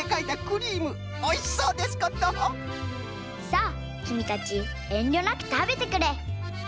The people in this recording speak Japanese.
さあきみたちえんりょなくたべてくれ。